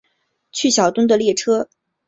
去小樽的列车